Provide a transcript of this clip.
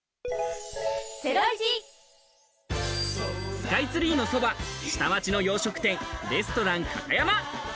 スカイツリーのそば、下町の洋食店レストランカタヤマ。